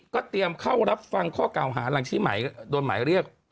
เขารับฟังข้อเก่าหารังชีพหมายโดนหมายเรียก